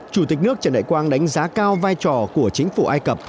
chủ tịch nước trần đại quang đánh giá cao vai trò của chính phủ ai cập